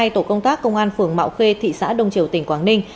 hai tổ công tác công an phường mạo khê thị xã đông triều tỉnh quảng ninh